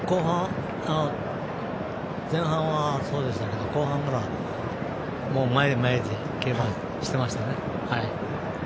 前半はそうでしたけど後半から、もう前へ前へで競馬してましたね。